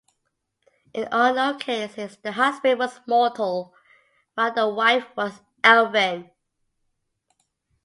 In all known cases, the husband was mortal, while the wife was Elven.